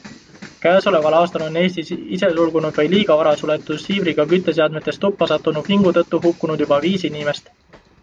Käesoleval aastal on Eestis isesulgunud või liiga vara suletud siibriga kütteseadmest tuppa sattunud vingu tõttu hukkunud juba viis inimest.